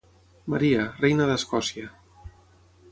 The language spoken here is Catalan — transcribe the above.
"Maria, reina d'Escòcia".